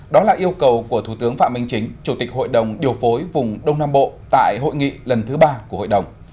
đó là yêu cầu của thủ tướng phạm minh chính chủ tịch hội đồng điều phối vùng đông nam bộ tại hội nghị lần thứ ba của hội đồng